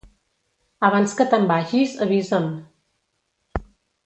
Abans que te'n vagis, avisa'm.